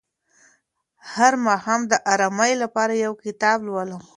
هر ماښام د ارامۍ لپاره یو کتاب لولم.